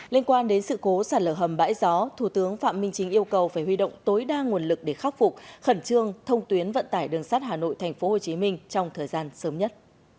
liên quan đến sự cố sản lở hầm bãi gió thủ tướng phạm minh chính yêu cầu phải huy động tối đa nguồn lực để khắc phục khẩn trương thông tuyến vận tải đường sắt hà nội tp hcm trong thời gian sớm nhất